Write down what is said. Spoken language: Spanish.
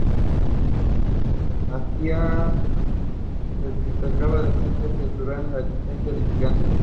En ellas se criticaba la defensa que hacía Torrubia de la existencia de gigantes.